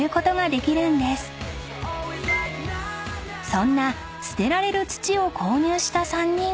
［そんなすてられる土を購入した３人は］